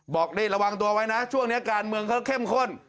รีบระวังตัวไว้นะช่วงนี้การเมืองเขาเข้มข้น